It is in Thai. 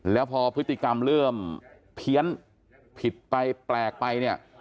แล้วพอพฤติกรรมเริ่มเพี้ยนผิดไปแปลกไปเนี่ย